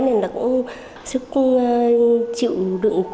nên là cũng sức chịu đựng